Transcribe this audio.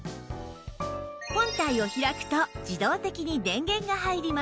本体を開くと自動的に電源が入ります